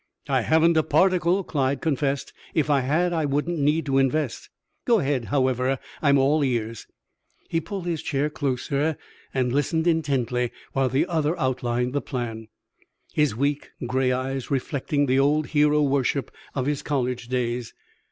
"I haven't a particle," Clyde confessed. "If I had, I wouldn't need to invest. Go ahead, however; I'm all ears." He pulled his chair closer and listened intently while the other outlined the plan, his weak gray eyes reflecting the old hero worship of his college days.